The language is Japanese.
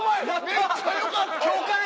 めっちゃよかったやん！